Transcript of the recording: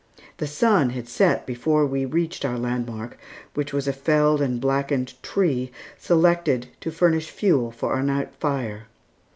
The sun had set before we reached our landmark, which was a felled and blackened tree, selected to furnish fuel for our night fire.